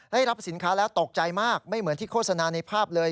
ได้รับสินค้าแล้วตกใจมากไม่เหมือนที่โฆษณาในภาพเลย